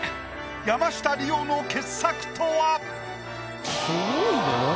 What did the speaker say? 山下リオの傑作とは？